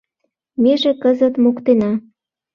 Меже кызыт моктена!»